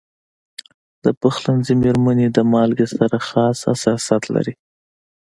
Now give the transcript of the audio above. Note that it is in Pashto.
د پخلنځي میرمنې د مالګې سره خاص حساسیت لري.